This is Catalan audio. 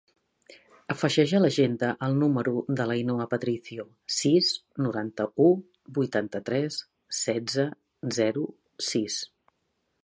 Afegeix a l'agenda el número de l'Ainhoa Patricio: sis, noranta-u, vuitanta-tres, setze, zero, sis.